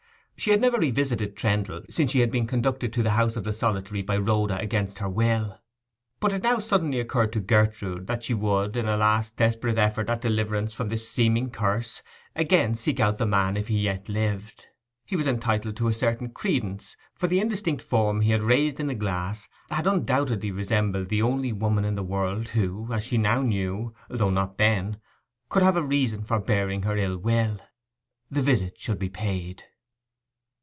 She had never revisited Trendle since she had been conducted to the house of the solitary by Rhoda against her will; but it now suddenly occurred to Gertrude that she would, in a last desperate effort at deliverance from this seeming curse, again seek out the man, if he yet lived. He was entitled to a certain credence, for the indistinct form he had raised in the glass had undoubtedly resembled the only woman in the world who—as she now knew, though not then—could have a reason for bearing her ill will. The visit should be paid.